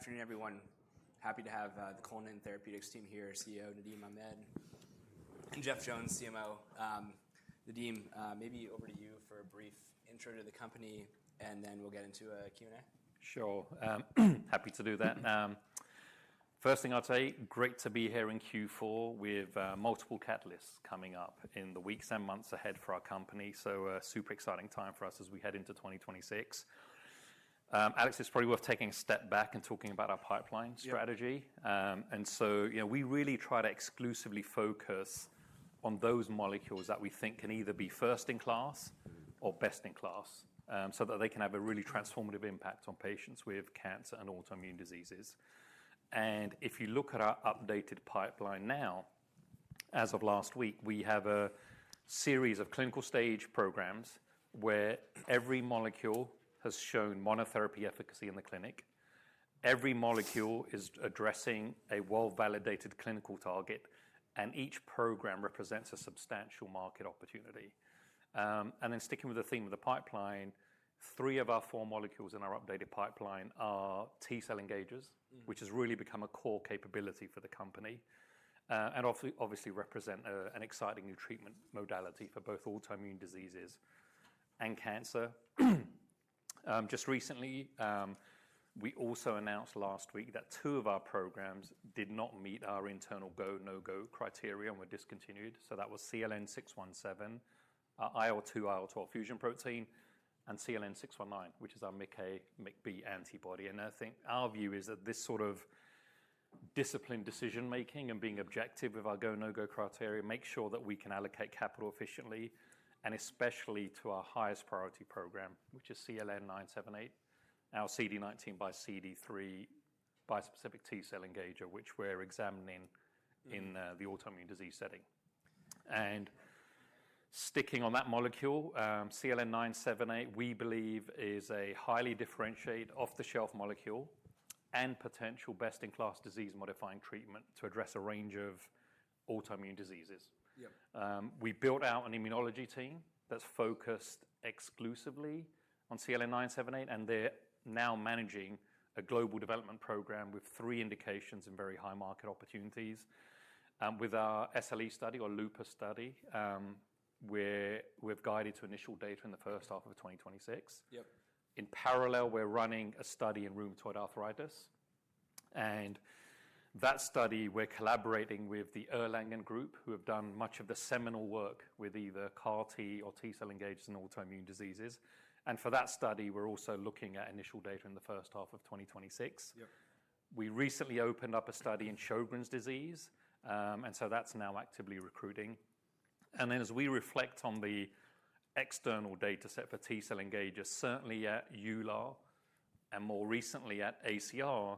Afternoon, everyone. Happy to have the Cullinan Therapeutics team here, CEO Nadim Ahmed and Jeff Jones, CMO. Nadim, maybe over to you for a brief intro to the company, and then we'll get into a Q&A. Sure. Happy to do that. First thing I'll tell you, great to be here in Q4 with multiple catalysts coming up in the weeks and months ahead for our company. Super exciting time for us as we head into 2026. Alex, it's probably worth taking a step back and talking about our pipeline strategy. and so, you know, we really try to exclusively focus on those molecules that we think can either be first in class or best in class, so that they can have a really transformative impact on patients with cancer and autoimmune diseases. If you look at our updated pipeline now, as of last week, we have a series of clinical stage programs where every molecule has shown monotherapy efficacy in the clinic. Every molecule is addressing a well-validated clinical target, and each program represents a substantial market opportunity. and then sticking with the theme of the pipeline, three of our four molecules in our updated pipeline are T-cell engagers. Which has really become a core capability for the company, and obviously represent an exciting new treatment modality for both autoimmune diseases and cancer. Just recently, we also announced last week that two of our programs did not meet our internal go-no-go criteria and were discontinued. That was CLN-617, IL-2, IL-12 fusion protein, and CLN619, which is our MYC-A, MYC-B antibody. I think our view is that this sort of disciplined decision-making and being objective with our go-no-go criteria makes sure that we can allocate capital efficiently, and especially to our highest priority program, which is CLN-978, our CD19 by CD3 bispecific T-cell engager, which we're examining in the autoimmune disease setting. Sticking on that molecule, CLN-978, we believe is a highly differentiated off-the-shelf molecule and potential best-in-class disease-modifying treatment to address a range of autoimmune diseases. Yep. We built out an immunology team that's focused exclusively on CLN978, and they're now managing a global development program with three indications and very high market opportunities. With our SLE study or LUPA study, we've guided to initial data in the first half of 2026. Yep. In parallel, we're running a study in rheumatoid arthritis. That study, we're collaborating with the Erlangen Group, who have done much of the seminal work with either CAR-T or T-cell engagers in autoimmune diseases. For that study, we're also looking at initial data in the first half of 2026. Yep. We recently opened up a study in Sjogren's disease, and so that's now actively recruiting. And then as we reflect on the external dataset for T-cell engagers, certainly at EULAR and more recently at ACR,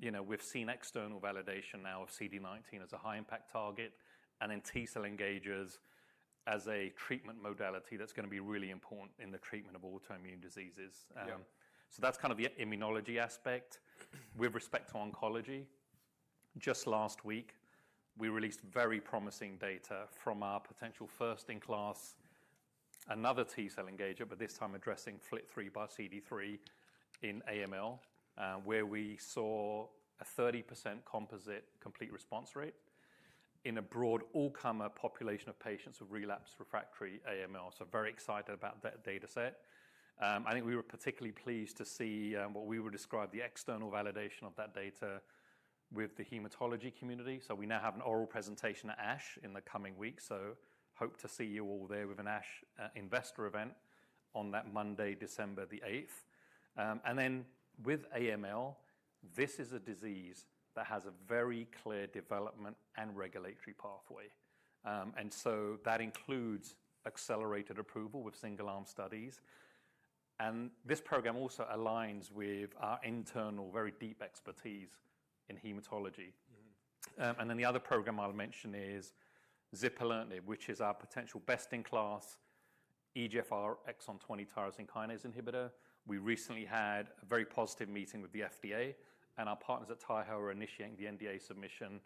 you know, we've seen external validation now of CD19 as a high-impact target and then T-cell engagers as a treatment modality that's gonna be really important in the treatment of autoimmune diseases. Yep. That's kind of the immunology aspect. With respect to oncology, just last week, we released very promising data from our potential first-in-class, another T-cell engager, but this time addressing FLT3 by CD3 in AML, where we saw a 30% composite complete response rate in a broad all-comer population of patients with relapsed refractory AML. Very excited about that dataset. I think we were particularly pleased to see what we would describe as the external validation of that data with the hematology community. We now have an oral presentation at ASH in the coming weeks. Hope to see you all there with an ASH investor event on that Monday, December the 8th. With AML, this is a disease that has a very clear development and regulatory pathway, and that includes accelerated approval with single-arm studies. This program also aligns with our internal very deep expertise in hematology. and then the other program I'll mention is Zipilant, which is our potential best-in-class EGFR exon 20 tyrosine kinase inhibitor. We recently had a very positive meeting with the FDA, and our partners at Taiho are initiating the NDA submission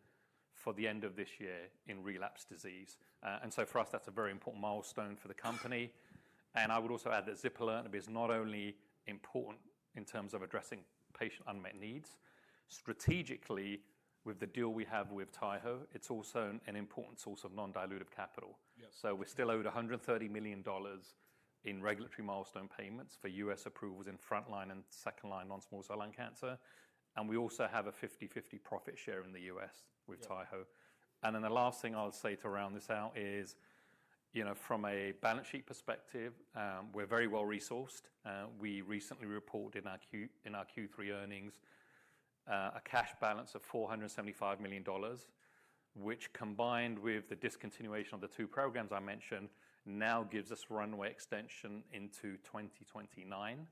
for the end of this year in relapsed disease. For us, that's a very important milestone for the company. I would also add that Zipilant is not only important in terms of addressing patient unmet needs. Strategically, with the deal we have with Taiho, it's also an important source of non-dilutive capital. Yep. We're still over $130 million in regulatory milestone payments for U.S. approvals in frontline and second-line non-small cell lung cancer. We also have a 50/50 profit share in the U.S. with Taiho Oncology. The last thing I'll say to round this out is, you know, from a balance sheet perspective, we're very well resourced. We recently reported in our Q3 earnings a cash balance of $475 million, which combined with the discontinuation of the two programs I mentioned now gives us runway extension into 2029.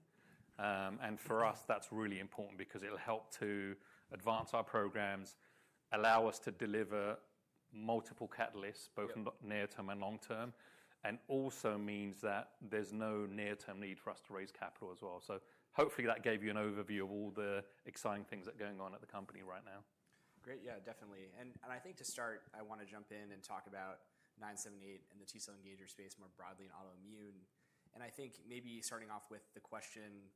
For us, that's really important because it'll help to advance our programs, allow us to deliver multiple catalysts. Both near-term and long-term, and also means that there's no near-term need for us to raise capital as well. Hopefully that gave you an overview of all the exciting things that are going on at the company right now. Great. Yeah, definitely. I think to start, I wanna jump in and talk about CLN-978 and the T-cell engager space more broadly in autoimmune. I think maybe starting off with the question,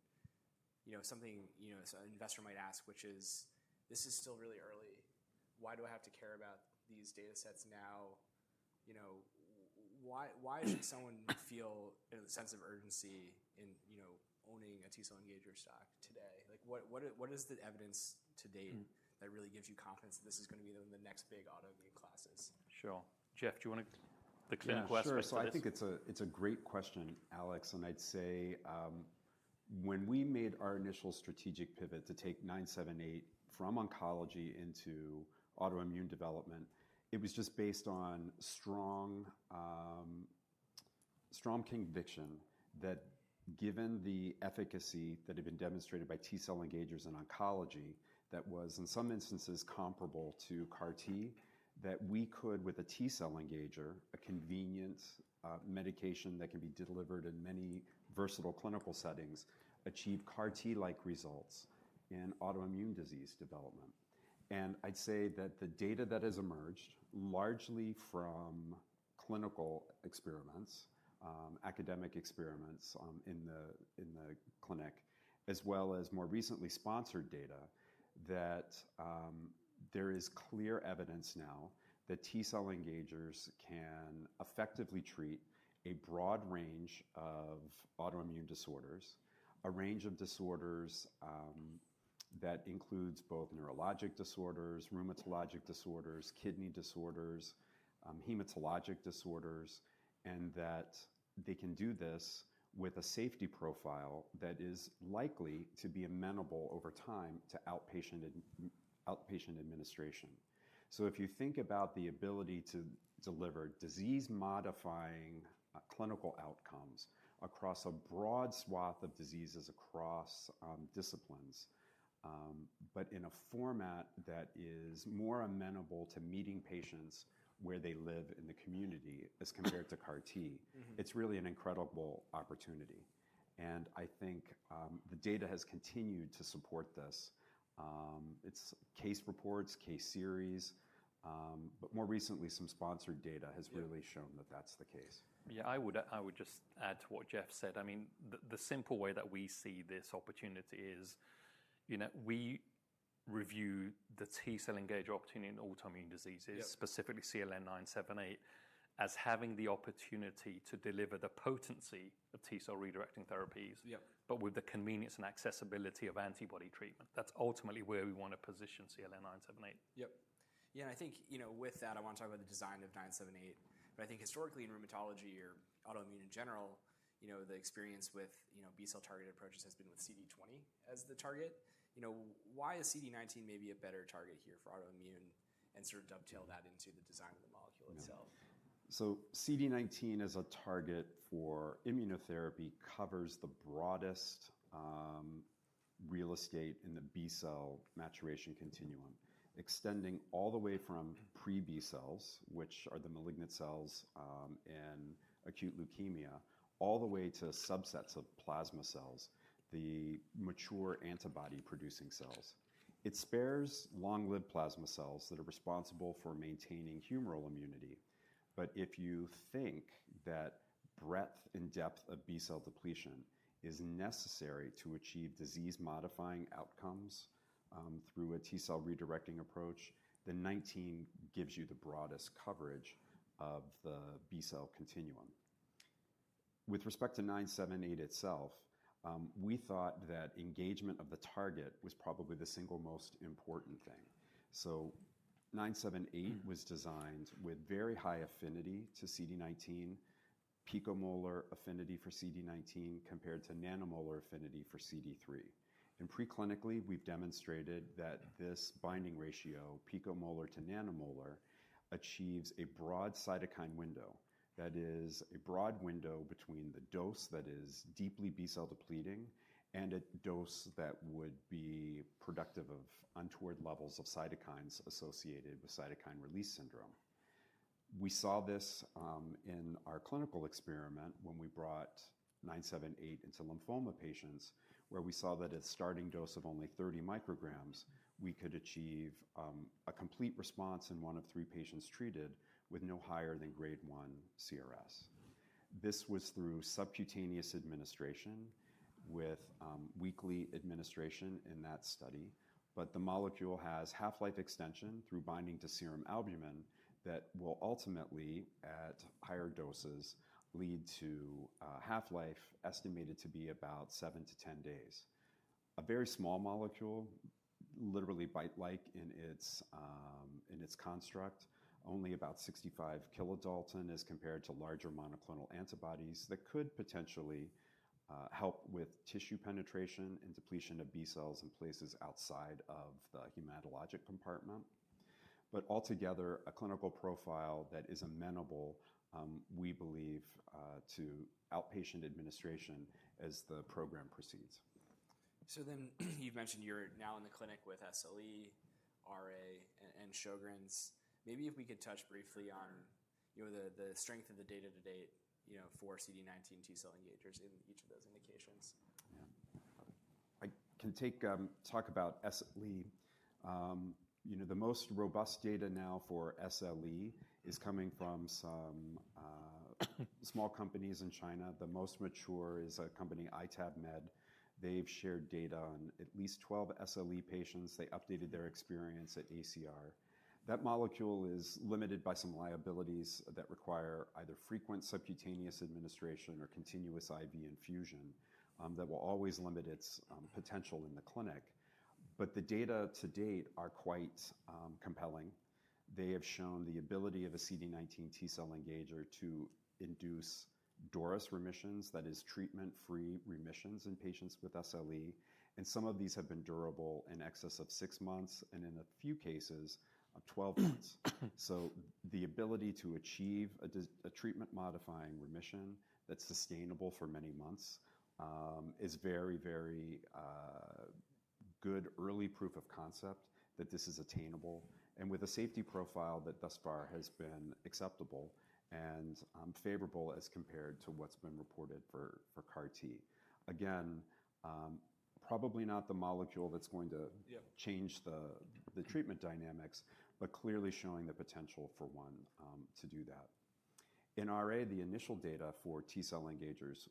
you know, something, you know, an investor might ask, which is, this is still really early. Why do I have to care about these datasets now? You know, why should someone feel a sense of urgency in, you know, owning a T-cell engager stock today? Like, what is, what is the evidence to date? That really gives you confidence that this is gonna be the next big autoimmune classes? Sure. Jeff, do you want the clean question first? Yeah, sure. I think it's a great question, Alex. I'd say, when we made our initial strategic pivot to take CLN-978 from oncology into autoimmune development, it was just based on strong conviction that given the efficacy that had been demonstrated by T-cell engagers in oncology, that was in some instances comparable to CAR-T, we could, with a T-cell engager, a convenient medication that can be delivered in many versatile clinical settings, achieve CAR-T-like results in autoimmune disease development. I'd say that the data that has emerged, largely from clinical experiments, academic experiments, in the clinic, as well as more recently sponsored data, that there is clear evidence now that T-cell engagers can effectively treat a broad range of autoimmune disorders, a range of disorders that includes both neurologic disorders, rheumatologic disorders, kidney disorders, hematologic disorders, and that they can do this with a safety profile that is likely to be amenable over time to outpatient administration. If you think about the ability to deliver disease-modifying, clinical outcomes across a broad swath of diseases across disciplines, but in a format that is more amenable to meeting patients where they live in the community as compared to CAR-T. It's really an incredible opportunity. I think the data has continued to support this. It's case reports, case series, but more recently, some sponsored data has really shown that that's the case. Yeah, I would just add to what Jeff said. I mean, the simple way that we see this opportunity is, you know, we review the T-cell engager opportunity in autoimmune diseases. Yep. Specifically CLN-978 as having the opportunity to deliver the potency of T-cell redirecting therapies. Yep. With the convenience and accessibility of antibody treatment. That's ultimately where we wanna position CLN-978. Yep. Yeah, and I think, you know, with that, I wanna talk about the design of CLN-978. I think historically in rheumatology or autoimmune in general, you know, the experience with, you know, B-cell targeted approaches has been with CD20 as the target. You know, why is CD19 maybe a better target here for autoimmune and sort of dovetail that into the design of the molecule itself? CD19 as a target for immunotherapy covers the broadest real estate in the B-cell maturation continuum, extending all the way from pre-B cells, which are the malignant cells in acute leukemia, all the way to subsets of plasma cells, the mature antibody-producing cells. It spares long-lived plasma cells that are responsible for maintaining humoral immunity. If you think that breadth and depth of B-cell depletion is necessary to achieve disease-modifying outcomes through a T-cell redirecting approach, then CD19 gives you the broadest coverage of the B-cell continuum. With respect to CLN-978 itself, we thought that engagement of the target was probably the single most important thing. 978 was designed with very high affinity to CD19, picomolar affinity for CD19 compared to nanomolar affinity for CD3. Pre-clinically, we've demonstrated that this binding ratio, picomolar to nanomolar, achieves a broad cytokine window. That is a broad window between the dose that is deeply B-cell depleting and a dose that would be productive of untoward levels of cytokines associated with cytokine release syndrome. We saw this, in our clinical experiment when we brought CLN-978 into lymphoma patients, where we saw that at starting dose of only 30 micrograms, we could achieve, a complete response in one of three patients treated with no higher than grade one CRS. This was through subcutaneous administration with, weekly administration in that study. The molecule has half-life extension through binding to serum albumin that will ultimately, at higher doses, lead to, half-life estimated to be about 7-10 days. A very small molecule, literally bite-like in its construct, only about 65 kilodalton as compared to larger monoclonal antibodies that could potentially help with tissue penetration and depletion of B cells in places outside of the hematologic compartment. Altogether, a clinical profile that is amenable, we believe, to outpatient administration as the program proceeds. Then you've mentioned you're now in the clinic with SLE, RA, and, and Sjogren's. Maybe if we could touch briefly on, you know, the, the strength of the data to date, you know, for CD19 T-cell engagers in each of those indications. Yeah. I can take, talk about SLE. You know, the most robust data now for SLE is coming from some small companies in China. The most mature is a company, ITAB Med. They've shared data on at least 12 SLE patients. They updated their experience at ACR. That molecule is limited by some liabilities that require either frequent subcutaneous administration or continuous IV infusion, that will always limit its potential in the clinic. The data to date are quite compelling. They have shown the ability of a CD19 T-cell engager to induce DORAS remissions, that is, treatment-free remissions in patients with SLE. Some of these have been durable in excess of six months and in a few cases of 12. The ability to achieve a treatment-modifying remission that's sustainable for many months is very, very good early proof of concept that this is attainable and with a safety profile that thus far has been acceptable and favorable as compared to what's been reported for CAR-T. Again, probably not the molecule that's going to. Yep. Change the treatment dynamics, but clearly showing the potential for one to do that. In RA, the initial data for T-cell engagers,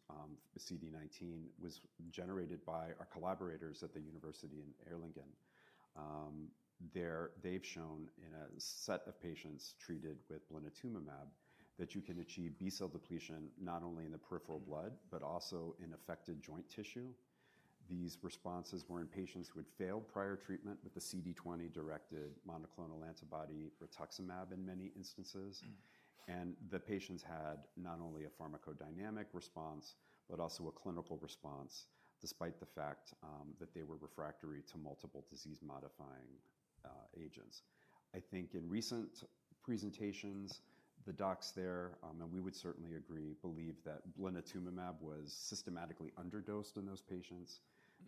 CD19, was generated by our collaborators at the University in Erlangen. They've shown in a set of patients treated with lenalidomide that you can achieve B-cell depletion not only in the peripheral blood but also in affected joint tissue. These responses were in patients who had failed prior treatment with the CD20-directed monoclonal antibody rituximab in many instances. The patients had not only a pharmacodynamic response but also a clinical response despite the fact that they were refractory to multiple disease-modifying agents. I think in recent presentations, the docs there, and we would certainly agree, believe that lenalidomide was systematically underdosed in those patients.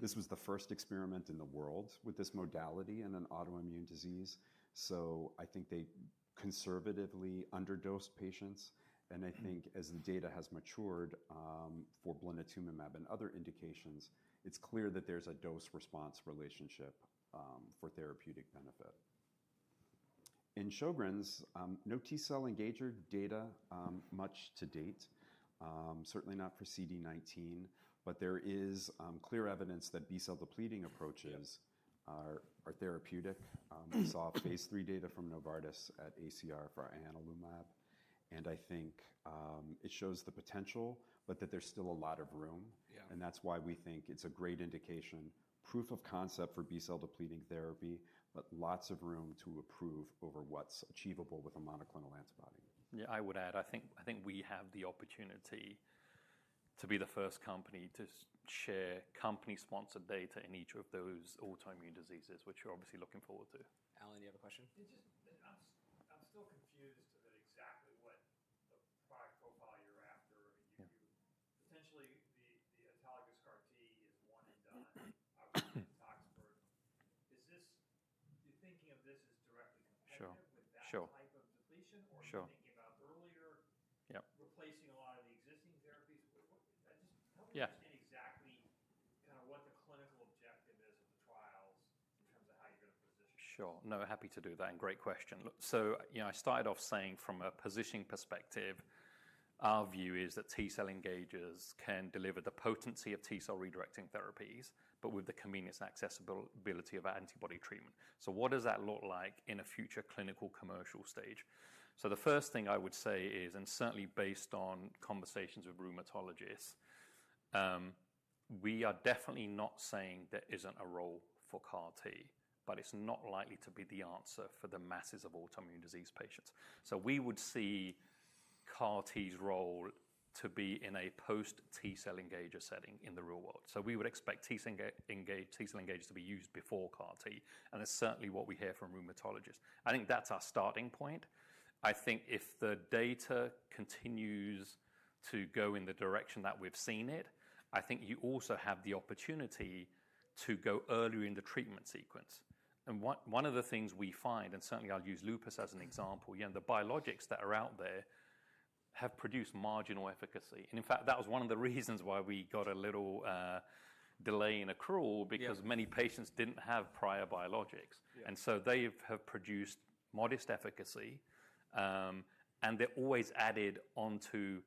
This was the first experiment in the world with this modality in an autoimmune disease. I think they conservatively underdosed patients. I think as the data has matured, for lenalidomide and other indications, it's clear that there's a dose-response relationship for therapeutic benefit. In Sjogren's, no T-cell engager data, much to date, certainly not for CD19, but there is clear evidence that B-cell depleting approaches. Are therapeutic. We saw phase III data from Novartis at ACR for Ianilumab. I think it shows the potential, but that there's still a lot of room. That's why we think it's a great indication, proof of concept for B-cell depleting therapy, but lots of room to improve over what's achievable with a monoclonal antibody. Yeah, I would add. I think we have the opportunity to be the first company to share company-sponsored data in each of those autoimmune diseases, which we're obviously looking forward to. Alan, do you have a question? It's just, I'm still confused about exactly what the product profile you're after. I mean, you potentially, the autologous CAR-T is one and done outside of the toxic burden. Is this, you're thinking of this as directly compatible with that. Sure. Type of depletion or. Sure. You're thinking about earlier. Yep. Replacing a lot of the existing therapies? Just help me understand exactly kinda what the clinical objective is of the trials in terms of how you're gonna position. Sure. No, happy to do that. Great question. Look, you know, I started off saying from a positioning perspective, our view is that T-cell engagers can deliver the potency of T-cell redirecting therapies but with the convenience and accessibility of antibody treatment. What does that look like in a future clinical commercial stage? The first thing I would say is, and certainly based on conversations with rheumatologists, we are definitely not saying there is not a role for CAR-T, but it is not likely to be the answer for the masses of autoimmune disease patients. We would see CAR-T's role to be in a post-T-cell engager setting in the real world. We would expect T-cell engagers to be used before CAR-T. That is certainly what we hear from rheumatologists. I think that is our starting point. I think if the data continues to go in the direction that we've seen it, I think you also have the opportunity to go earlier in the treatment sequence. One of the things we find, and certainly I'll use lupus as an example, you know, the biologics that are out there have produced marginal efficacy. In fact, that was one of the reasons why we got a little delay in accrual because many patients didn't have prior biologics. Yeah. They have produced modest efficacy, and they're always added onto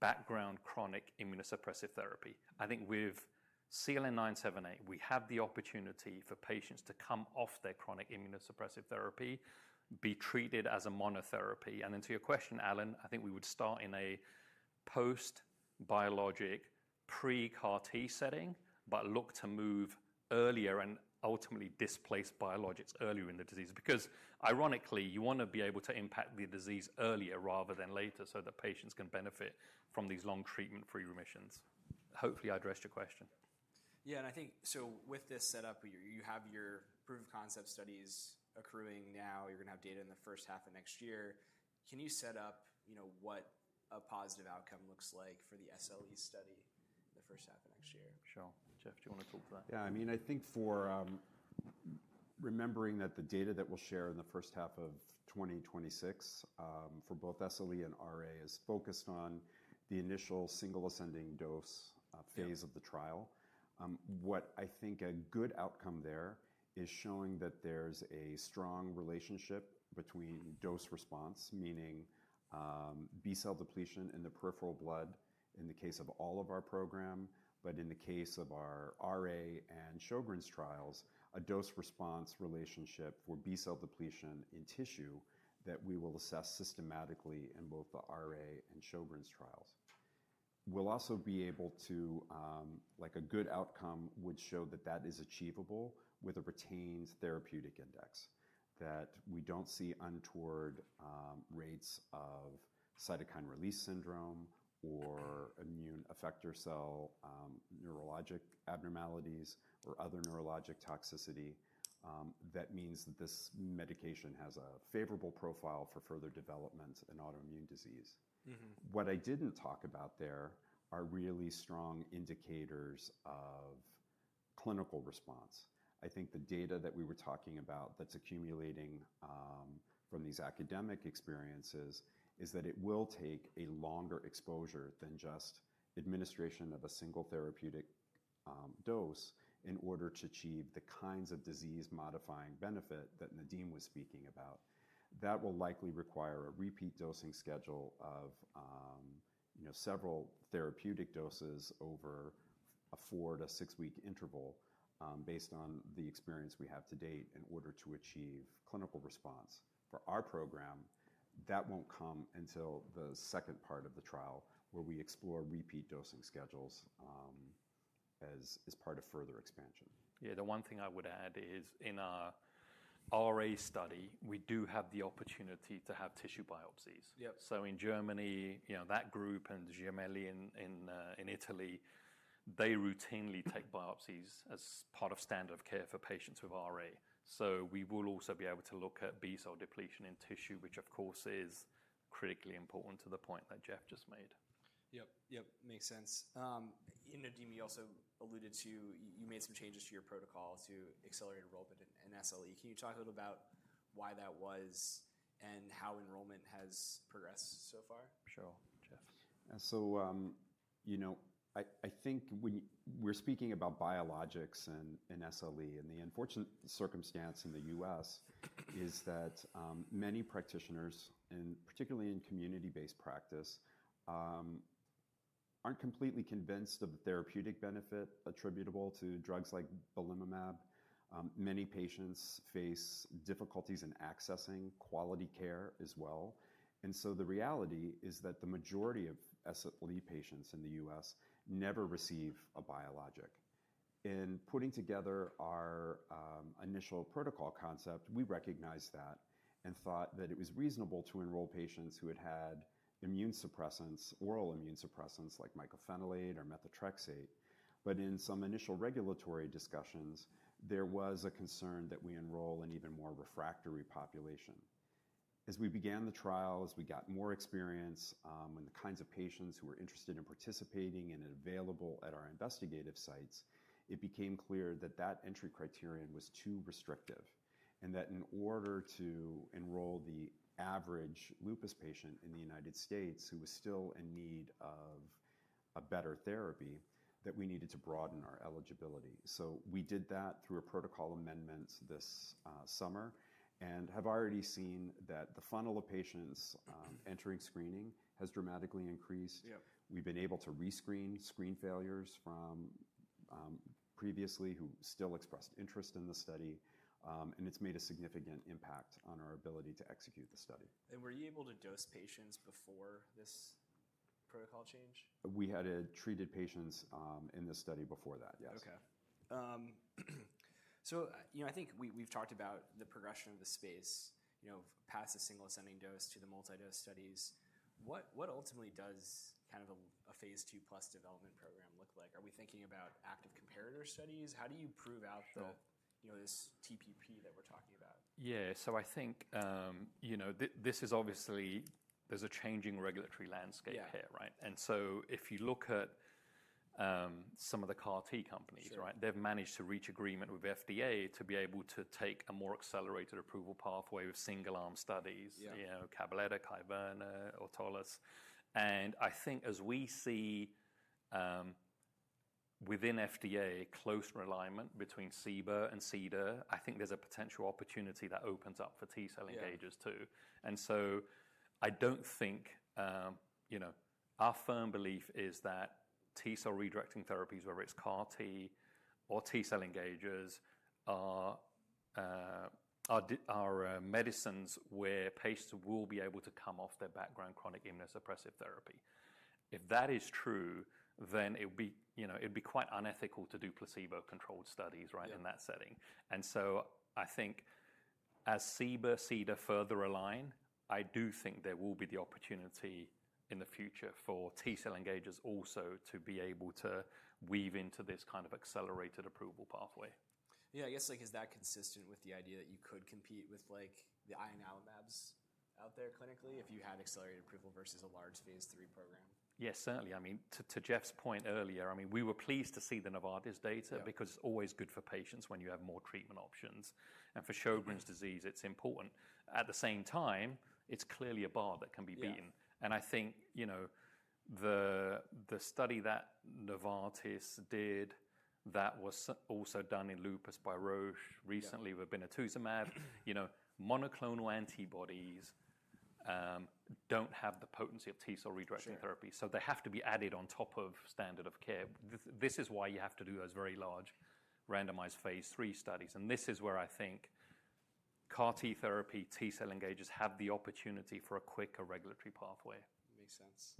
background chronic immunosuppressive therapy. I think with CLN978, we have the opportunity for patients to come off their chronic immunosuppressive therapy, be treated as a monotherapy. To your question, Alan, I think we would start in a post-biologic pre-CAR-T setting but look to move earlier and ultimately displace biologics earlier in the disease because ironically, you want to be able to impact the disease earlier rather than later so that patients can benefit from these long treatment-free remissions. Hopefully I addressed your question. Yeah, I think with this setup, you have your proof of concept studies accruing now. You're gonna have data in the first half of next year. Can you set up what a positive outcome looks like for the SLE study the first half of next year? Sure. Jeff, do you wanna talk to that? Yeah, I mean, I think for, remembering that the data that we'll share in the first half of 2026, for both SLE and RA, is focused on the initial single ascending dose, phase of the trial. What I think a good outcome there is showing that there's a strong relationship between dose response, meaning, B-cell depletion in the peripheral blood in the case of all of our program, but in the case of our RA and Sjogren's trials, a dose-response relationship for B-cell depletion in tissue that we will assess systematically in both the RA and Sjogren's trials. We'll also be able to, like a good outcome would show that that is achievable with a retained therapeutic index, that we don't see untoward rates of cytokine release syndrome or immune effector cell, neurologic abnormalities or other neurologic toxicity. That means that this medication has a favorable profile for further development in autoimmune disease. What I didn't talk about there are really strong indicators of clinical response. I think the data that we were talking about that's accumulating, from these academic experiences is that it will take a longer exposure than just administration of a single therapeutic dose in order to achieve the kinds of disease-modifying benefit that Nadim was speaking about. That will likely require a repeat dosing schedule of, you know, several therapeutic doses over a four- to six-week interval, based on the experience we have to date in order to achieve clinical response. For our program, that won't come until the second part of the trial where we explore repeat dosing schedules, as part of further expansion. Yeah, the one thing I would add is in our RA study, we do have the opportunity to have tissue biopsies. Yep. In Germany, you know, that group and Gemelli in Italy, they routinely take biopsies as part of standard of care for patients with RA. We will also be able to look at B-cell depletion in tissue, which of course is critically important to the point that Jeff just made. Yep. Yep. Makes sense. You know, Nadim, you also alluded to, you made some changes to your protocol to accelerate enrollment in SLE. Can you talk a little about why that was and how enrollment has progressed so far? Sure, Jeff. You know, I think when we're speaking about biologics and SLE, the unfortunate circumstance in the U.S. is that many practitioners, and particularly in community-based practice, aren't completely convinced of the therapeutic benefit attributable to drugs like belimumab. Many patients face difficulties in accessing quality care as well. The reality is that the majority of SLE patients in the U.S. never receive a biologic. In putting together our initial protocol concept, we recognized that and thought that it was reasonable to enroll patients who had had immune suppressants, oral immune suppressants like mycophenolate or methotrexate. In some initial regulatory discussions, there was a concern that we enroll an even more refractory population. As we began the trial, as we got more experience, and the kinds of patients who were interested in participating and available at our investigative sites, it became clear that that entry criterion was too restrictive and that in order to enroll the average lupus patient in the United States who was still in need of a better therapy, that we needed to broaden our eligibility. We did that through a protocol amendment this summer and have already seen that the funnel of patients entering screening has dramatically increased. Yep. We've been able to rescreen screen failures from previously who still expressed interest in the study, and it's made a significant impact on our ability to execute the study. Were you able to dose patients before this protocol change? We had treated patients in this study before that, yes. Okay. So, you know, I think we, we've talked about the progression of the space, you know, past the single ascending dose to the multi-dose studies. What, what ultimately does kind of a, a phase II plus development program look like? Are we thinking about active comparator studies? How do you prove out the. You know, this TPP that we're talking about? Yeah. I think, you know, this is obviously there's a changing regulatory landscape here, right? Yeah. If you look at, some of the CAR-T companies. Sure. Right? They've managed to reach agreement with FDA to be able to take a more accelerated approval pathway with single-arm studies. Yeah. You know, Cabaletta, Kyverna, Autolus. I think as we see, within FDA, close alignment between CBER and CDER, I think there's a potential opportunity that opens up for T-cell engagers too. Yeah. I don't think, you know, our firm belief is that T-cell redirecting therapies, whether it's CAR-T or T-cell engagers, are medicines where patients will be able to come off their background chronic immunosuppressive therapy. If that is true, then it would be, you know, it'd be quite unethical to do placebo-controlled studies, right, in that setting. I think as CBIR, CDIR further align, I do think there will be the opportunity in the future for T-cell engagers also to be able to weave into this kind of accelerated approval pathway. Yeah, I guess, like, is that consistent with the idea that you could compete with, like, the Ianilumabs out there clinically if you had accelerated approval versus a large phase III program? Yes, certainly. I mean, to Jeff's point earlier, I mean, we were pleased to see the Novartis data because it's always good for patients when you have more treatment options. For Sjogren's disease, it's important. At the same time, it's clearly a bar that can be beaten. Yeah. I think, you know, the study that Novartis did that was also done in lupus by Roche recently with benetuzumab, you know, monoclonal antibodies don't have the potency of T-cell redirection therapy. Sure. They have to be added on top of standard of care. This is why you have to do those very large randomized phase three studies. This is where I think CAR-T therapy, T-cell engagers have the opportunity for a quicker regulatory pathway. Makes sense.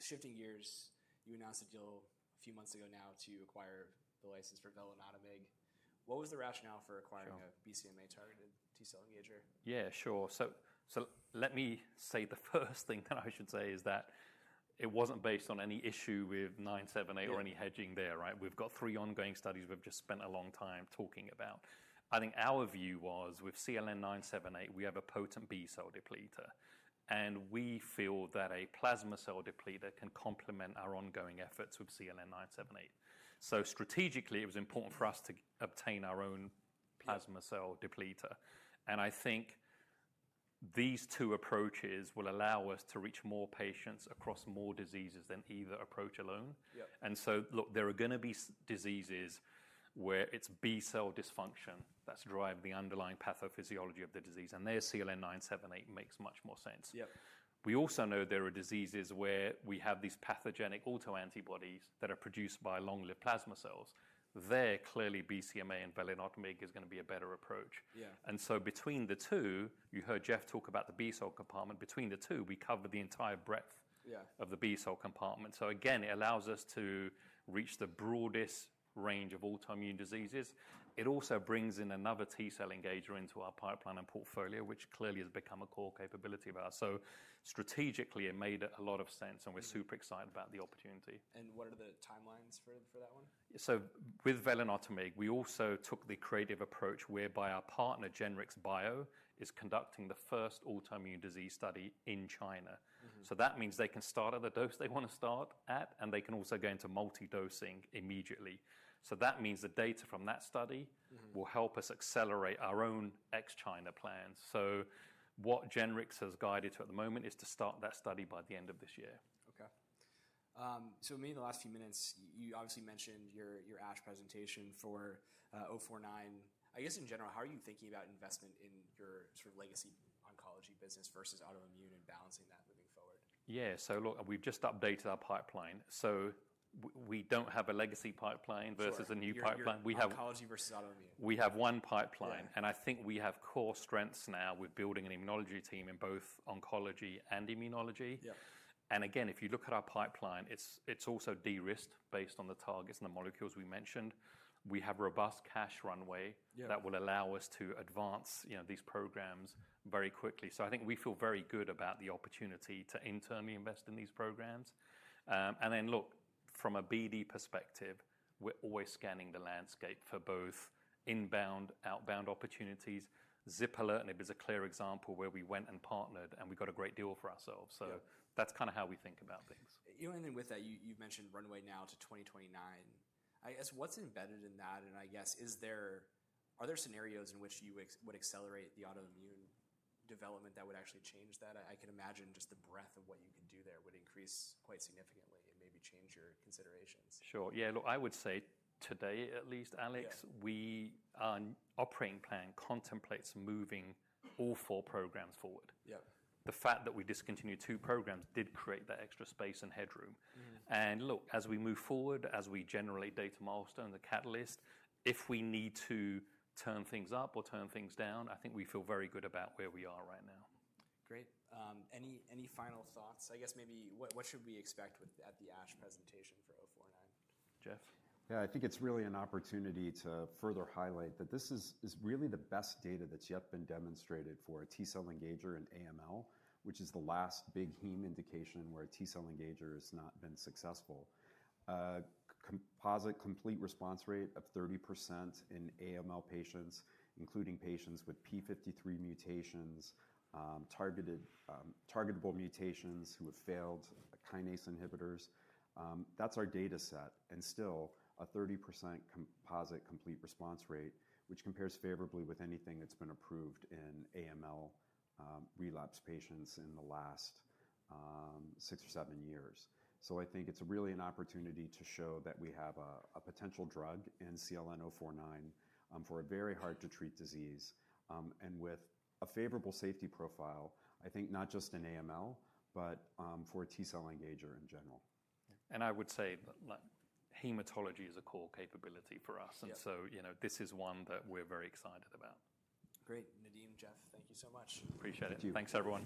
Shifting gears, you announced a deal a few months ago now to acquire the license for Velinotamig. What was the rationale for acquiring a BCMA-targeted T-cell engager? Yeah, sure. Let me say the first thing that I should say is that it was not based on any issue with CLN-978 or any hedging there, right? We have three ongoing studies we just spent a long time talking about. I think our view was with CLN-978, we have a potent B-cell depleter, and we feel that a plasma cell depleter can complement our ongoing efforts with CLN-978. Strategically, it was important for us to obtain our own plasma cell depleter. I think these two approaches will allow us to reach more patients across more diseases than either approach alone. Yep. Look, there are gonna be diseases where it's B-cell dysfunction that's driving the underlying pathophysiology of the disease, and there CLN-978 makes much more sense. Yep. We also know there are diseases where we have these pathogenic autoantibodies that are produced by long-lived plasma cells. There, clearly, BCMA and velinotamig is gonna be a better approach. Yeah. Between the two, you heard Jeff talk about the B-cell compartment. Between the two, we cover the entire breadth. Yeah. Of the B-cell compartment. Again, it allows us to reach the broadest range of autoimmune diseases. It also brings in another T-cell engager into our pipeline and portfolio, which clearly has become a core capability of ours. Strategically, it made a lot of sense, and we're super excited about the opportunity. What are the timelines for, for that one? With velinotamig, we also took the creative approach whereby our partner, Generix Bio, is conducting the first autoimmune disease study in China. That means they can start at the dose they wanna start at, and they can also go into multi-dosing immediately. That means the data from that study. Will help us accelerate our own ex-China plans. What Generix has guided to at the moment is to start that study by the end of this year. Okay. So maybe the last few minutes, you obviously mentioned your ASH presentation for 049. I guess in general, how are you thinking about investment in your sort of legacy oncology business versus autoimmune and balancing that moving forward? Yeah. Look, we've just updated our pipeline. We don't have a legacy pipeline versus a new pipeline. You have oncology versus autoimmune. We have one pipeline, and I think we have core strengths now with building an immunology team in both oncology and immunology. Yep. If you look at our pipeline, it's also de-risked based on the targets and the molecules we mentioned. We have a robust cash runway. Yep. That will allow us to advance, you know, these programs very quickly. I think we feel very good about the opportunity to internally invest in these programs. And then look, from a BD perspective, we're always scanning the landscape for both inbound, outbound opportunities. Zipilant was a clear example where we went and partnered, and we got a great deal for ourselves. Yep. That's kind of how we think about things. You know, and then with that, you, you've mentioned runway now to 2029. I guess what's embedded in that? I guess, is there, are there scenarios in which you would accelerate the autoimmune development that would actually change that? I could imagine just the breadth of what you can do there would increase quite significantly and maybe change your considerations. Sure. Yeah. Look, I would say today, at least, Alex. Our operating plan contemplates moving all four programs forward. Yep. The fact that we discontinued two programs did create that extra space and headroom. Look, as we move forward, as we generate data milestones, the catalyst, if we need to turn things up or turn things down, I think we feel very good about where we are right now. Great. Any, any final thoughts? I guess maybe what, what should we expect with at the ASH presentation for 049? Jeff! Yeah, I think it's really an opportunity to further highlight that this is really the best data that's yet been demonstrated for a T-cell engager in AML, which is the last big heme indication where a T-cell engager has not been successful. Composite complete response rate of 30% in AML patients, including patients with P53 mutations, targetable mutations who have failed kinase inhibitors. That's our data set. And still a 30% composite complete response rate, which compares favorably with anything that's been approved in AML relapse patients in the last six or seven years. I think it's really an opportunity to show that we have a potential drug in CLN-049 for a very hard-to-treat disease, and with a favorable safety profile, I think not just in AML, but for a T-cell engager in general. I would say hematology is a core capability for us. Yep. You know, this is one that we're very excited about. Great. Nadim, Jeff, thank you so much. Appreciate it. Thank you. Thanks everyone.